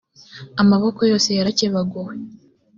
amaboko yose yarakebaguwe